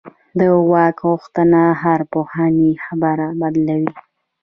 د واک غوښتنه هره پخوانۍ خبره بدلوي.